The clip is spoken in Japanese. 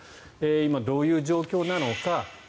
今、どういう状況なのか。